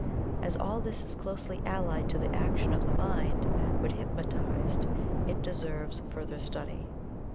As all this is closely allied to the action of the mind when hypnotized, it deserves further study.